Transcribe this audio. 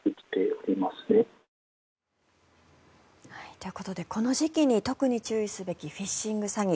ということでこの時期に特に注意すべきフィッシング詐欺。